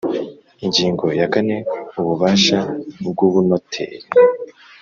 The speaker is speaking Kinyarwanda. Ingingo ya kane Ububasha bw ubunoteri